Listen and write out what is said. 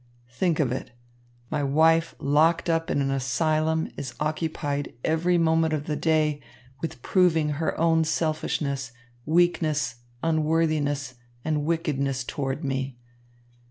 Think of it, my wife locked up in an asylum is occupied every moment of the day with proving her own selfishness, weakness, unworthiness and wickedness toward me.